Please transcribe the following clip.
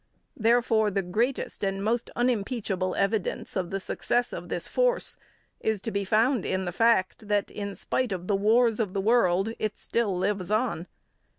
Therefore the greatest and most unimpeachable evidence of the success of this force is to be found in the fact that, in spite of the wars of the world, it still lives on.